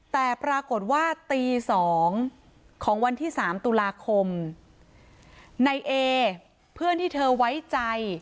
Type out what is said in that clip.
แต่ปรากฏว่าตีสองของวันที่สามตุลาคมในเอเพื่อนที่เธอไว้ใจ